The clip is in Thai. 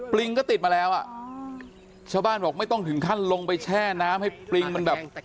ลิงก็ติดมาแล้วอ่ะชาวบ้านบอกไม่ต้องถึงขั้นลงไปแช่น้ำให้ปริงมันแบบ